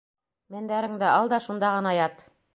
Мендәреңде ал да шунда ғына ят!